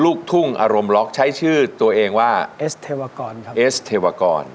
ลูกทุ่งอารมล็อคใช้ชื่อตัวเองว่าเอสเทวากร